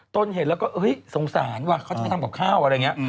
ตนเห็นแล้วก็เฮ้ยสงสารว่ะเขาจะไปทำกับข้าวอะไรอย่างนี้